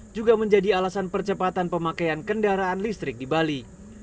juga menjadi alasan percepatan pemakaian kendaraan listrik di bali